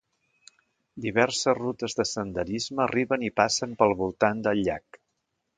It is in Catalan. Diverses rutes de senderisme arriben i passen pel voltant del llac.